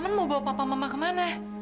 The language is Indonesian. pak mma mau bawa deng papa mama ke mana